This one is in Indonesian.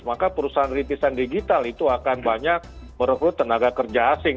maka perusahaan rintisan digital itu akan banyak merekrut tenaga kerja asing